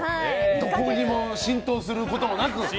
どこにも浸透することもなく。